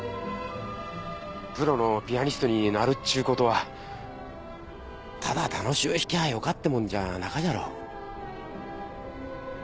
プロのピアニストになるっちゅーことはただ楽しゅう弾きゃあよかってもんじゃなかじゃろう？